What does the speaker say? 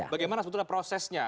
bagaimana sebetulnya prosesnya